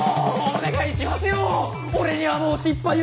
お願いします！